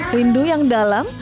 rindu yang dalam